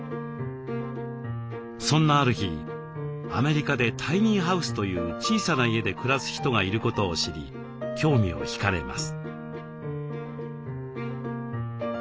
そんなある日アメリカでタイニーハウスという小さな家で暮らす人がいることを知り興味を引かれます。